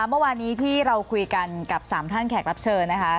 เมื่อวานนี้ที่เราคุยกันกับ๓ท่านแขกรับเชิญนะคะ